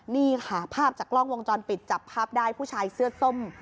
นี่ค่ะภาพจากกล้องวงจรปิดจับภาพได้ผู้ชายเสื้อส้ม